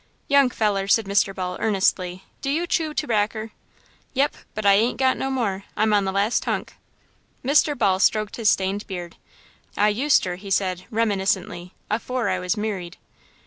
"Young feller," said Mr. Ball earnestly, "do you chew terbacker?" "Yep, but I ain't got no more. I'm on the last hunk." Mr. Ball stroked his stained beard. "I useter," he said, reminiscently, "afore I was merried."